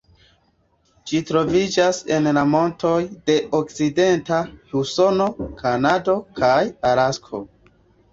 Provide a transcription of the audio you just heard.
Ĝi troviĝas en la montoj de okcidenta Usono, Kanado kaj Alasko.